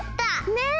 ねえ！